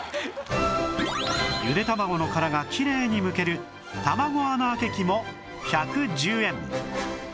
ゆでたまごの殻がきれいにむけるたまご穴あけ器も１１０円